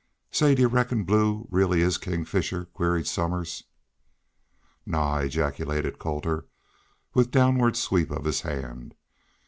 "Say, do you reckon Blue really is King Fisher?" queried Somers. "Naw!" ejaculated Colter, with downward sweep of his hand.